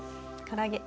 から揚げ。